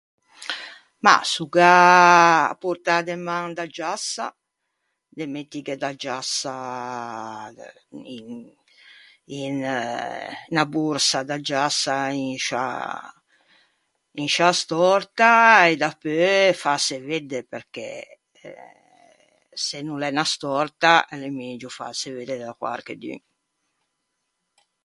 Mah, s’o gh’à à portâ de man da giassa, de mettighe da giassa in in unna borsa da giassa in sciâ in sciâ stòrta e dapeu fâse vedde, perché se no l’é unna stòrta, l’é megio fâse vedde da quarchedun.